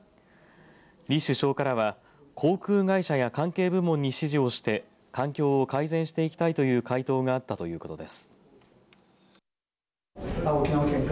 李首相からは航空会社や関係部門に指示をして環境を改善していきたいという回答があった、ということです。